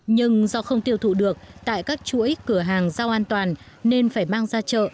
nhưng do không tiêu thụ được tại các chuỗi cửa hàng rau an toàn nên phải mang ra chợ